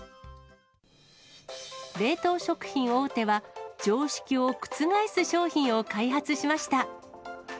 冷凍食品大手は、常識を覆す商品を開発しました。